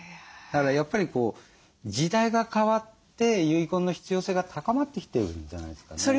だからやっぱり時代が変わって遺言の必要性が高まってきてるんじゃないですかね？